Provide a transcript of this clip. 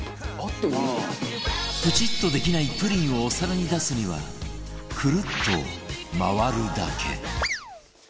プチッとできないプリンをお皿に出すにはクルッと回るだけ